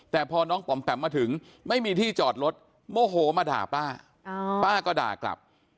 แต่พอน้องปอมแปมมาถึงไม่มีที่จอดรถโมโหมาด่าป้าป้าก็ด่ากลับ